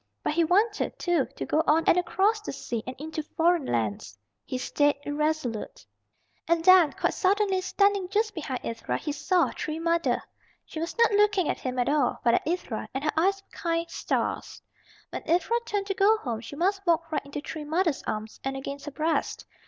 But he wanted, too, to go on and across the sea and into foreign lands. He stayed irresolute. And then quite suddenly, standing just behind Ivra, he saw Tree Mother. She was not looking at him at all, but at Ivra, and her eyes were kind stars. When Ivra turned to go home she must walk right into Tree Mother's arms and against her breast.